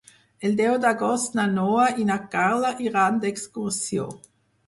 El deu d'agost na Noa i na Carla iran d'excursió.